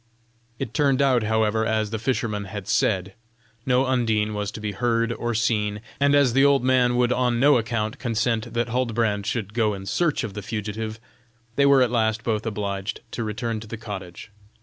It turned out, however, as the fisherman had said. No Undine was to be heard or seen, and as the old man would on no account consent that Huldbrand should go in search of the fugitive, they were at last both obliged to return to the cottage.